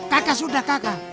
kaka sudah kaka